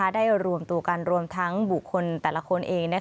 ได้รวมตัวกันรวมทั้งบุคคลแต่ละคนเอง